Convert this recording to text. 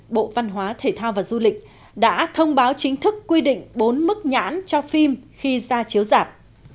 bộ văn hóa thể thao và du lịch đã thông báo chính thức quy định bốn mức nhãn cho phim khi ra chiếu dạp